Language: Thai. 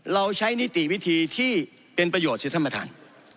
เราใช้นิติวิธีที่เป็นประโยชน์สิท่านประธาน